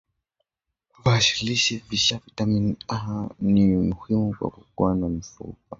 viazi lishe Vina vitamini A ni muhimu kwa kukua kwa mifupa